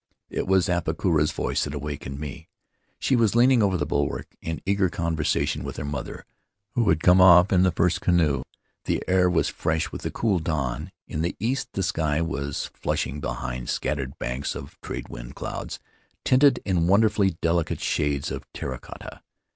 It was Apakura's voice that awakened me. She was leaning over the bulwark in eager conversation with her mother, who had come off in the first canoe. The air was fresh with the cool of dawn; in the east the sky was flushing behind scattered banks of trade wind clouds, tinted in wonderfully delicate shades of terra cotta.